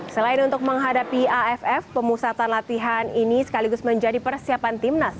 selain untuk menghadapi aff pemusatan latihan ini sekaligus menjadi persiapan timnas